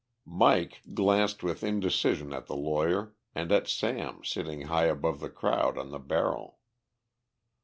Mike glanced with indecision at the lawyer and at Sam sitting high above the crowd on the barrel.